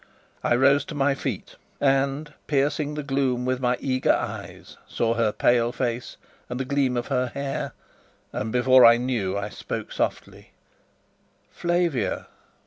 I rose to my feet, and, piercing the gloom with my eager eyes, saw her pale face and the gleam of her hair, and before I knew, I spoke softly: "Flavia!"